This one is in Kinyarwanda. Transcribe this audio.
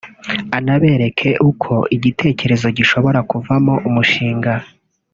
anabereke uko igitekerezo gishobora kuvamo umushinga